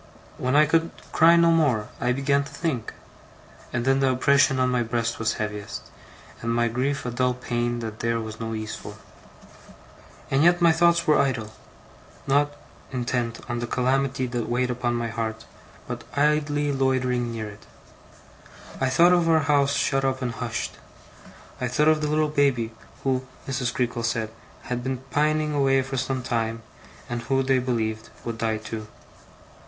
When I could cry no more, I began to think; and then the oppression on my breast was heaviest, and my grief a dull pain that there was no ease for. And yet my thoughts were idle; not intent on the calamity that weighed upon my heart, but idly loitering near it. I thought of our house shut up and hushed. I thought of the little baby, who, Mrs. Creakle said, had been pining away for some time, and who, they believed, would die too.